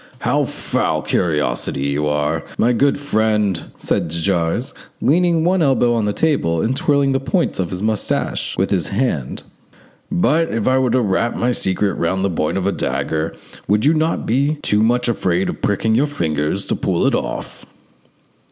"How full of curiosity you are, my good friend!" said de Jars, leaning one elbow on the table, and twirling the points of his moustache with his hand; "but if I were to wrap my secret round the point of a dagger would you not be too much afraid of pricking your fingers to pull it off?"